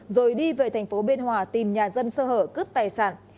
rồi đi về thành phố biên hòa tìm nhà dân sơ hở cướp tài sản